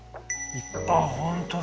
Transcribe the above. あっ本当だ。